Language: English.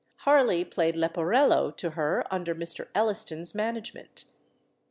Harley played Leporello to her under Mr. Elliston's management.